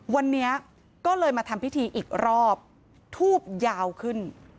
วันนี้ก็เลยมาทำพิธีอีกรอบทูบยาวขึ้น